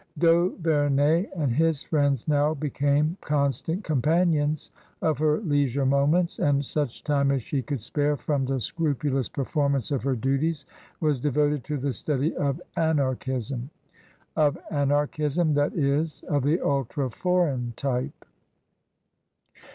D'Auverney and his friends now became constant com panions of her leisure moments, and such time as she could spare from the scrupulous performance of her duties was devoted to the study of Anarchism — of Anarchism, that is, of the ultra foreign type.